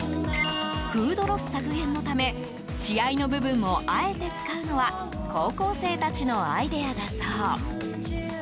フードロス削減のため血合いの部分もあえて使うのは高校生たちのアイデアだそう。